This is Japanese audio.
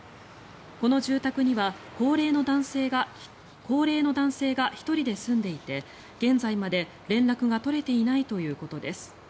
この住宅には高齢の男性が１人で住んでいて現在まで連絡が取れていないということです。